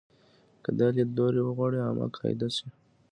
که دا لیدلوری وغواړي عامه قاعده شي.